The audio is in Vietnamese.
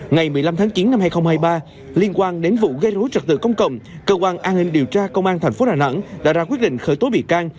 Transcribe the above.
ngày một mươi năm tháng chín năm hai nghìn hai mươi ba liên quan đến vụ gây rối trật tự công cộng cơ quan an ninh điều tra công an tp đà nẵng đã ra quyết định khởi tố bị can